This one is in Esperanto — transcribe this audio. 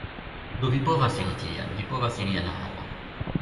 Do vi povas iri tien, vi povas iri en la arbon